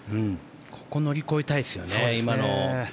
ここは乗り越えたいですよね。